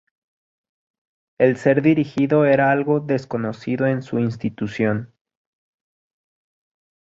El ser dirigido era algo desconocido en su institución.